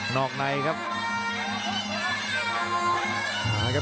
อกในครับ